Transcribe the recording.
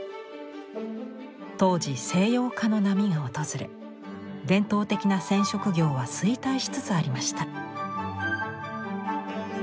当時西洋化の波が訪れ伝統的な染織業は衰退しつつありました。